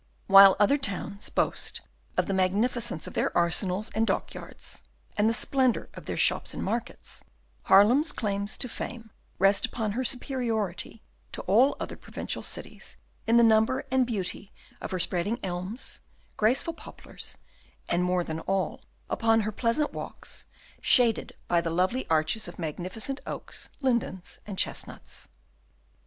While other towns boast of the magnificence of their arsenals and dock yards, and the splendour of their shops and markets, Haarlem's claims to fame rest upon her superiority to all other provincial cities in the number and beauty of her spreading elms, graceful poplars, and, more than all, upon her pleasant walks, shaded by the lovely arches of magnificent oaks, lindens, and chestnuts.